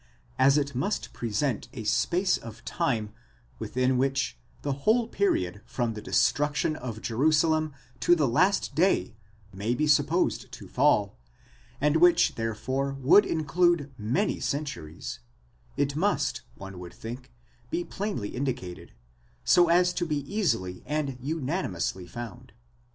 As it must present a space of time within which the whole period from the destruction of Jerusalem to the last day may be supposed to fall, and which therefore would include many centuries, it must, one would think, be plainly indicated, so as to be easily and unanimously found.